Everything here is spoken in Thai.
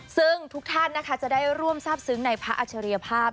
ซึ่งทุกท่านนะคะจะได้ร่วมทราบซึ้งในพระอัจฉริยภาพ